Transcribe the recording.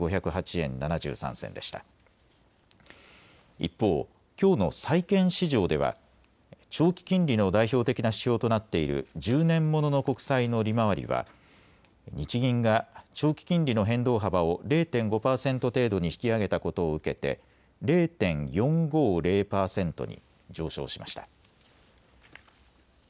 一方、きょうの債券市場では長期金利の代表的な指標となっている１０年ものの国債の利回りは日銀が長期金利の変動幅を０．５％程度に引き上げたことを受けて０．４５０％に上昇しました。